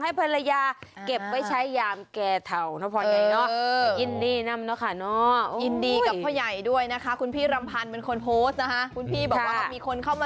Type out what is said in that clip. แกก็คงจะเอาไปทำอะไรไปสร้างวิหาร